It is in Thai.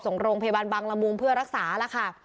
ส่งโรงพยาบาลบังละมุงเพื่อรักษาแล้วค่ะ